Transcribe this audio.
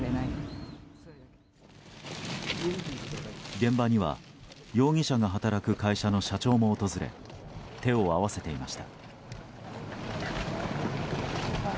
現場には、容疑者が働く会社の社長も訪れ手を合わせていました。